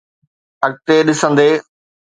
اڳتي ڏسندي.